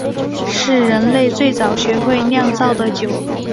是人类最早学会酿造的酒。